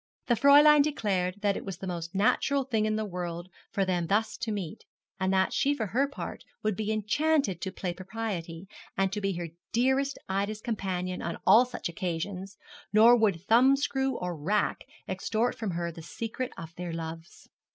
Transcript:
The Fräulein declared that it was the most natural thing in the world for them thus to meet, and that she for her part would be enchanted to play propriety, and to be her dearest Ida's companion on all such occasions, nor would thumbscrew or rack extort from her the secret of their loves.